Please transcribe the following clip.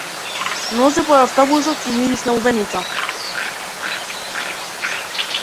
Нозе под автобусот и мирис на лубеница.